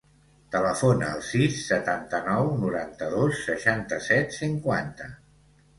Telefona al sis, setanta-nou, noranta-dos, seixanta-set, cinquanta.